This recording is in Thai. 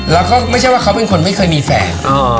แล้วก็ไม่ใช่ว่าเขาเป็นคนไม่เคยมีแฟน